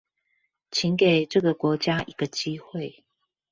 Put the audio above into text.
請給這個國家一個機會